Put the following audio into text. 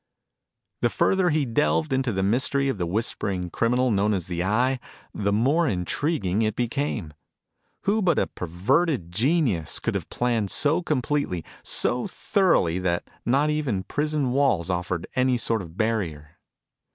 The further he delved into the mystery of the whispering criminal known as the Eye, the more intriguing it became. Who but a perverted genius could have planned so completely, so thoroughly that not even prison walls offered any sort of a barrier?